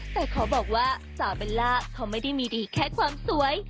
แต่ขอบอกว่าสาวเบลล่าเขาไม่ได้มีดีแค่ความสวย